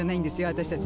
私たち。